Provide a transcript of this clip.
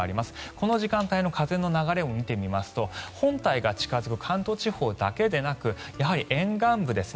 この時間帯の風の流れを見てみますと本体が近付く関東地方だけでなくやはり沿岸部ですね。